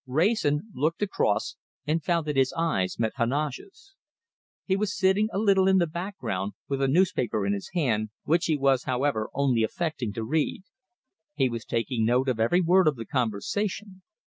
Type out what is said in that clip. Wrayson looked across and found that his eyes met Heneage's. He was sitting a little in the background, with a newspaper in his hand, which he was, however, only affecting to read. He was taking note of every word of the conversation.